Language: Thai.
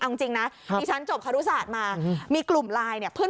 เอาจริงนะดิฉันจบคารุศาสตร์มามีกลุ่มไลน์เนี่ย